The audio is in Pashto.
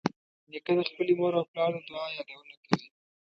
نیکه د خپلې مور او پلار د دعا یادونه کوي.